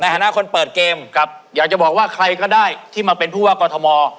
ฐานะคนเปิดเกมครับอยากจะบอกว่าใครก็ได้ที่มาเป็นผู้ว่ากอทม